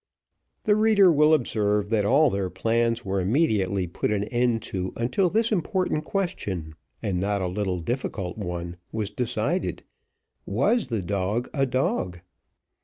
The reader will observe that all their plans were immediately put an end to until this important question, and not a little difficult one, was decided Was the dog a dog?